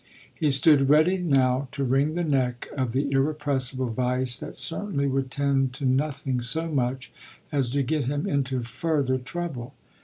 He stood ready now to wring the neck of the irrepressible vice that certainly would tend to nothing so much as to get him into further trouble.